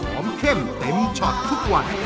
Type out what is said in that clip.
เข้มเต็มช็อตทุกวัน